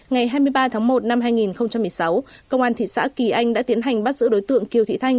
ngày hai mươi ba tháng một năm hai nghìn một mươi sáu công an thị xã kỳ anh đã tiến hành bắt giữ đối tượng kiều thị thanh